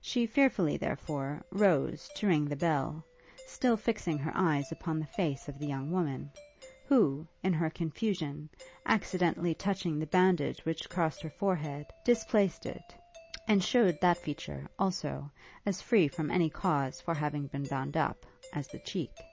She fearfully, therefore, rose, to ring the bell, still fixing her eyes upon the face of the young woman, who, in her confusion, accidentally touching the bandage which crossed her forehead, displaced it, and shewed that feature, also, as free from any cause for having been bound up, as the cheek.